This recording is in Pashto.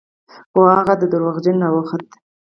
خو هغه دروغجن راوخوت.